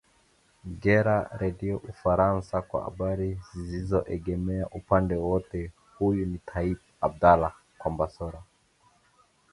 gera redio ufaransa kwa habari zisioengemea upande wowote huyu ni taib abdala kwambasora